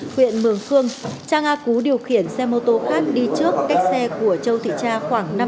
huyện mường khương trang a cú điều khiển xe mô tô khác đi trước cách xe của châu thị tra khoảng